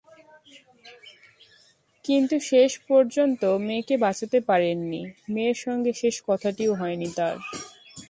কিন্তু শেষ পর্যন্ত মেয়েকে বাঁচাতে পারেননি, মেয়ের সঙ্গে শেষ কথাটিও হয়নি তাঁর।